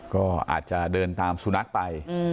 ก็อาจจะเดินตามสุนัขไป